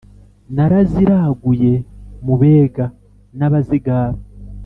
naraziraguye mu bega n'abazigaba